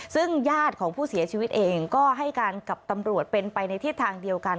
ซึ่งญาติของผู้เสียชีวิตเองก็ให้การกับตำรวจเป็นไปในทิศทางเดียวกัน